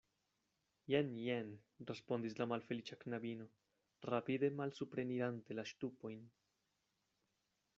Jen, jen, respondis la malfeliĉa knabino, rapide malsuprenirante la ŝtupojn.